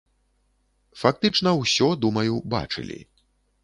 Фактычна ўсё, думаю, бачылі.